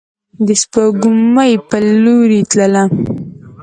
د سپوږمۍ په لوري تلله